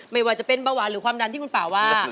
ไม่ว่าจะเป็นเบาหวานหรือความดันที่คุณป่าว่า